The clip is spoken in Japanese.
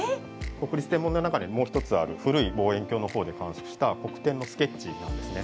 国立天文台の中にもう一つある古い望遠鏡のほうで観測した黒点のスケッチなんですね。